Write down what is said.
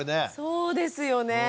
そうですよね。